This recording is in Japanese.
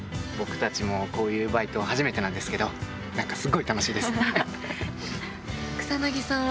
僕たちもこういうバイト初めてなんですけど何かすごい楽しいです。